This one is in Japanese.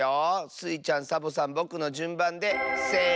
スイちゃんサボさんぼくのじゅんばんでせの。